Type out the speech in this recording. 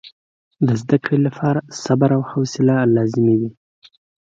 د زده کړې لپاره صبر او حوصله لازمي وه.